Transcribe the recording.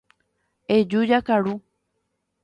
Eju jakaru.